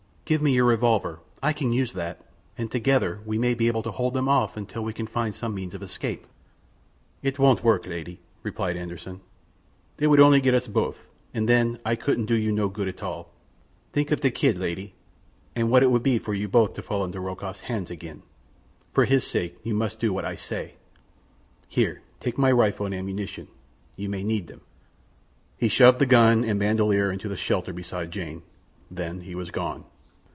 Give me your revolver. I can use that, and together we may be able to hold them off until we can find some means of escape." "It won't work, lady," replied Anderssen. "They would only get us both, and then Ay couldn't do you no good at all. Think of the kid, lady, and what it would be for you both to fall into Rokoff's hands again. For his sake you must do what Ay say. Here, take my rifle and ammunition; you may need them." He shoved the gun and bandoleer into the shelter beside Jane. Then he was gone.